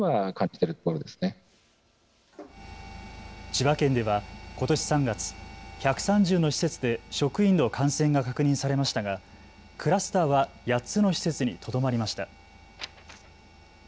千葉県ではことし３月、１３０の施設で職員の感染が確認されましたがクラスターは８つの施設にとどまりました。